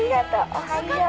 おはよう。